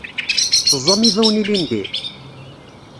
Teẓẓam ibawen ilindi?